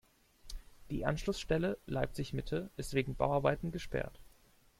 Die Anschlussstelle Leipzig-Mitte ist wegen Bauarbeiten gesperrt.